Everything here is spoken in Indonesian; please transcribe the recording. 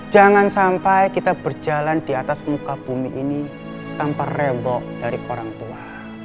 jangan sampai kita berjalan di atas muka bumi ini tanpa rewok dari orang tua